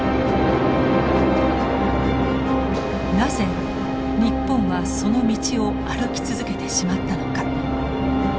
なぜ日本はその道を歩き続けてしまったのか。